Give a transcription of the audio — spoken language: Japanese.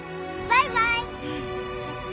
バイバイ。